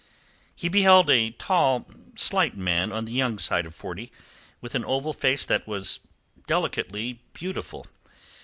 He beheld a tall, slight man on the young side of forty, with an oval face that was delicately beautiful.